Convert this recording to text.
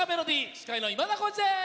司会の今田耕司です。